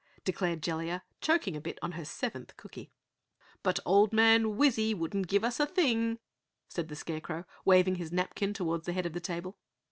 declared Jellia, choking a bit on her seventh cooky. "But Old Man Wizzy wouldn't give us a thing!" said the Scarecrow, waving his napkin toward the head of the table.